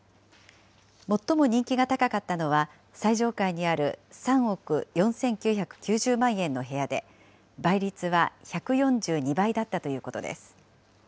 最も人気が高かったのは、最上階にある３億４９９０万円の部屋で、倍率は１４２倍だったということです。